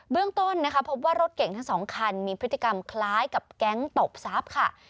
เรื่องต้นนะคะพบว่ารถเก่งทั้งสองคันมีพฤติกรรมคล้ายกับแก๊งตบทรัพย์ค่ะ